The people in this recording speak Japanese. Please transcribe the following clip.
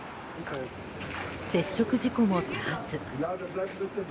接触事故も多発。